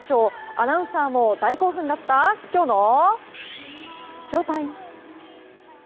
アナウンサーも大興奮だったきょうのＳＨＯＴＩＭＥ！